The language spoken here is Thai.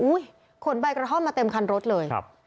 ขนใบกระท่อมมาเต็มคันรถเลย